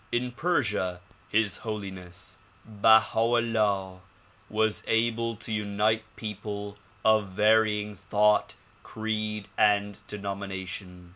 In Persia His Holiness Bait a 'Ullah was able to unite people of varying thought, creed and denomination.